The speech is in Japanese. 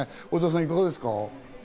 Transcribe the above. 小澤さん、いかがですか？